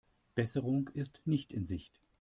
Besserung ist nicht in Sicht.